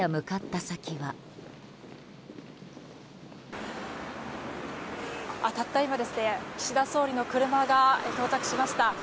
たった今、岸田総理の車が到着しました。